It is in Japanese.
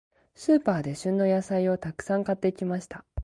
スーパーで、旬の野菜をたくさん買ってきました。